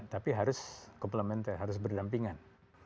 tapi harus komplementer harus berdampingan